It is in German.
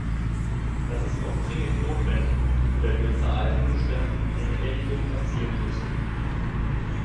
Das ist auch dringend notwendig, weil wir unter allen Umständen eine Einigung erzielen müssen.